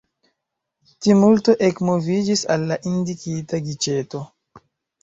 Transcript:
Tumulto ekmoviĝis al la indikita giĉeto.